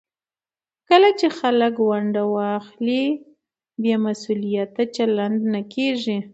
کله چې خلک ونډه واخلي، بې مسوولیته چلند نه کېږي.